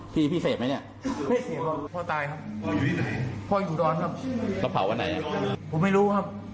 พี่เหลิ้มแขกเขาจอดอยู่